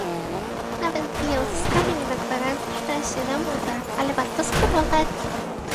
Nawet gdy je uzyskamy, nie ma gwarancji, że się nam uda, ale warto spróbować